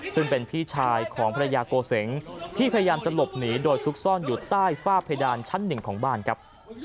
ซึ่งเป็นพี่ชายของภรรยาโกเสงที่พยายามจะหลบหนีโดยซุกซ่อนอยู่ใต้ฝ้าเพดานชั้นหนึ่งของบ้านครับ